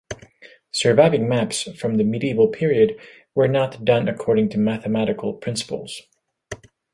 Surviving maps from the medieval period were not done according to mathematical principles.